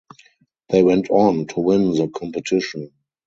They went on to win the competition.